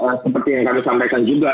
nah seperti yang kami sampaikan juga